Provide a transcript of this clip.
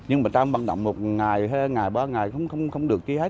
nhưng mà trong vận động một ngày ngày ba ngày không được ký hết